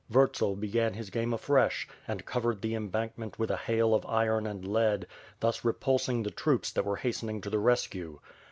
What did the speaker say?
Vurtsel began his game afresh, and covered the embankment with a hail of of iron and lead, thus repulsing the troops that were hastening to the rescue.